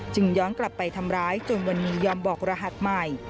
ย้อนกลับไปทำร้ายจนวันนี้ยอมบอกรหัสใหม่